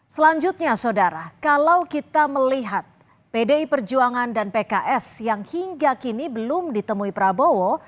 selanjutnya saudara kalau kita melihat pdi perjuangan dan pks yang hingga kini belum ditemui prabowo